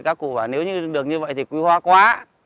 các cụ bảo nếu như được như vậy thì quy hoá quá